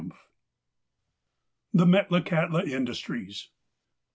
XL THE METLAKAHTLA INDUSTRIES ME.